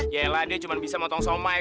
yaelah dia cuma bisa motong somai